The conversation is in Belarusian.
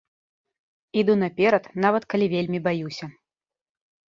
Іду наперад, нават калі вельмі баюся.